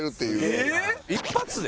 えーっ一発で？